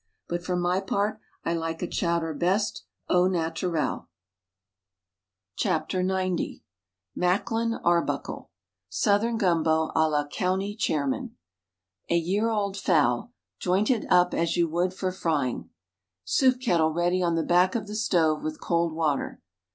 But for my part I like a chowder best au naturel. THE STAG COOK BOOK xc Macklyn Arbuckle SOUTHERN GUMBO A LA "COUNTY CHAIRMAN" A year old fowl. Joint it as you would for frying. Soup kettle ready on the back of the stove with cold water.